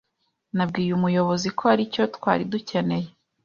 Nabwiye umuyobozi ko aricyo twari dukeneye.